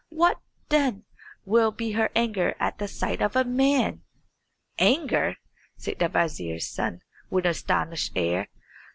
"What, then, will be her anger at the sight of a man?" "Anger?" said the vizier's son, with an astonished air.